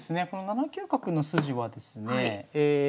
この７九角の筋はですね